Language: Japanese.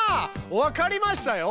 わかりましたよ。